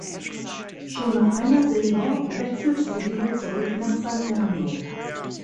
Schon nach einer Saison wechselte sie wieder zurück nach Salerno.